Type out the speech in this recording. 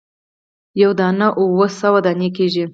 یوه دانه اووه سوه دانې کیږي.